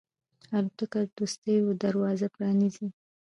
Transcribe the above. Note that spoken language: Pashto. الوتکه د دوستیو دروازې پرانیزي.